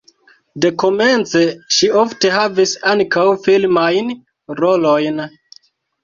Dekomence ŝi ofte havis ankaŭ filmajn rolojn.